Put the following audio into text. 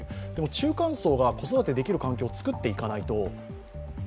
中間層が子育てできる環境を作っていかないと。